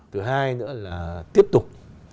thứ hai nữa là tiếp tục